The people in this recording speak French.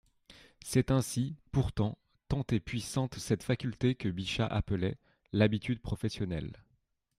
C'était ainsi, pourtant, tant est puissante cette faculté que Bichat appelait : «l'habitude professionnelle».